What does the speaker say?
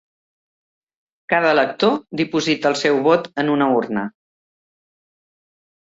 Cada elector diposita el seu vot en una urna